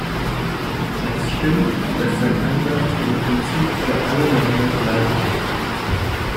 Es stimmt, dass sein Ansatz im Prinzip für alle Länder gleich ist.